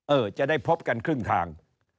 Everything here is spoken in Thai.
จะได้พบกันครึ่งทาง